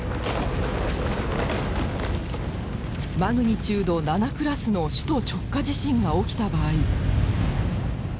マグニチュード７クラスの首都直下地震が起きた場合。